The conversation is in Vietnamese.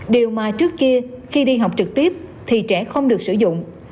điều mà trước kia khi đi học trực tiếp thì trẻ không được sử dụng